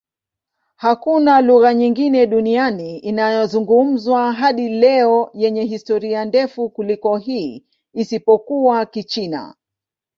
Hakuna lugha nyingine duniani inayozungumzwa hadi leo yenye historia ndefu kuliko hii, isipokuwa Kichina.